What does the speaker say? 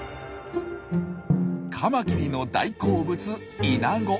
カマキリの大好物イナゴ。